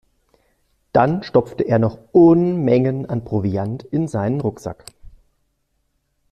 Dann stopfte er noch Unmengen an Proviant in seinen Rucksack.